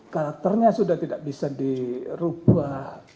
karakternya sudah tidak bisa dirubah